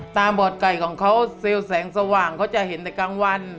บอดไก่ของเขาเซลล์แสงสว่างเขาจะเห็นแต่กลางวัน